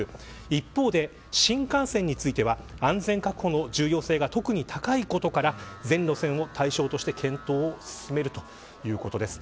一方で新幹線については安全確保の重要性が特に高いことから全路線を対象として検討を進めるということです。